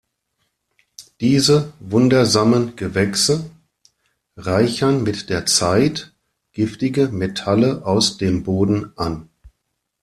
Diese wundersamen Gewächse reichern mit der Zeit giftige Metalle aus dem Boden an.